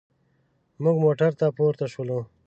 موږ موټر ته پورته شولو.